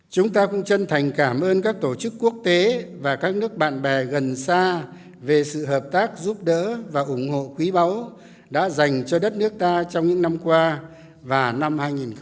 chúng ta cũng chân thành cảm ơn các tổ chức quốc tế và các nước bạn bè gần xa về sự hợp tác giúp đỡ và ủng hộ quý báu đã dành cho đất nước ta trong những năm qua và năm hai nghìn một mươi tám